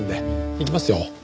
行きますよ。